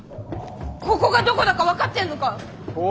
ここがどこだか分かってんのか？